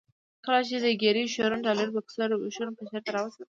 کله چې د ګیري شرون ډالري بکسونه پنجشیر ته را ورسېدل.